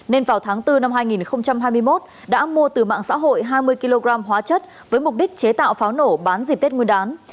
nên vào tháng bốn năm hai nghìn hai mươi một đã mua từ mạng xã hội hai mươi kg hóa chất với mục đích chế tạo pháo nổ bán dịp tết nguyên đán